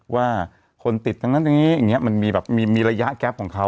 ว่าคนติดทั้งนั้นอย่างนี้อย่างนี้มันมีแบบมีระยะแก๊ปของเขา